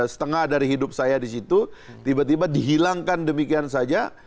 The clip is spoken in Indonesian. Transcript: setengah dari hidup saya di situ tiba tiba dihilangkan demikian saja